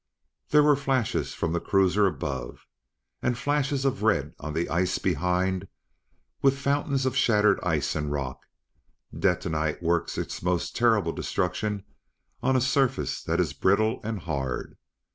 There were flashes from the cruisers above, and flashes of red on the ice behind with fountains of shattered ice and rock; detonite works its most terrible destruction on a surface that is brittle and hard.